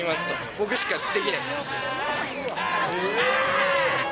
僕しかできないです。